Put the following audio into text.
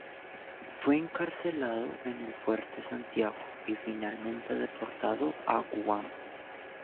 Fue encarcelado en el Fuerte Santiago y finalmente deportado a Guam.